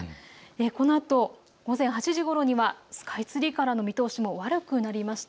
このあと午前８時ごろには、スカイツリーからの見通しも悪くなりました。